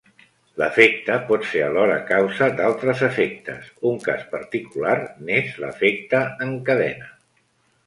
L'efecte pot ser alhora causa d'altres efectes, un cas particular n'és l'efecte en cadena.